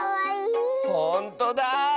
ほんとだ！